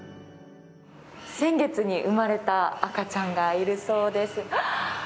先月に生まれた赤ちゃんがいるそうです。